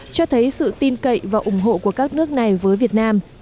cho thấy sự tin cậy và ủng hộ của các nước này với việt nam